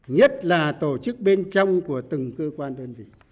nhất là tổ chức bên trong của từng cơ quan đơn vị